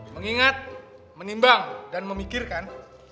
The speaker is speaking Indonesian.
mengingat menimbang dan memikirkan